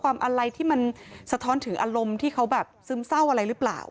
อะไรที่มันสะท้อนถึงอารมณ์ที่เขาแบบซึมเศร้าอะไรหรือเปล่า